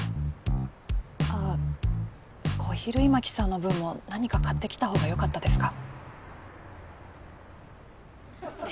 あっ小比類巻さんの分も何か買ってきたほうがよかったですか？